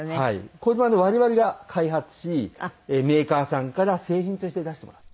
これも我々が開発しメーカーさんから製品として出してもらった。